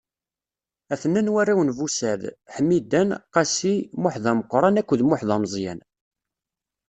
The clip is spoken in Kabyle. A-ten-an warraw n Bussaɛd: Ḥmidan, Qasi, Muḥdameqṛan akked Muḥdameẓyan.